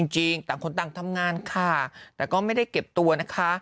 จริงต่างคนต่างทำงานค่ะแต่ก็ไม่ได้เก็บตัวนะคะ